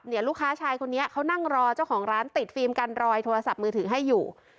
ลูกค้าชายคนนี้เขานั่งรอเจ้าของร้านติดฟิล์มกันรอยโทรศัพท์มือถือให้อยู่